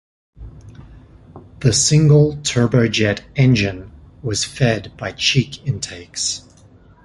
The single turbojet engine was fed by cheek intakes.